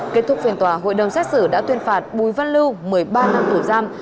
kết thúc phiên tòa hội đồng xét xử đã tuyên phạt bùi văn lưu một mươi ba năm tù giam